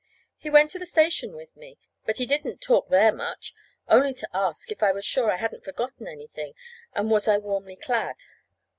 He went to the station with me; but he didn't talk there much, only to ask if I was sure I hadn't forgotten anything, and was I warmly clad.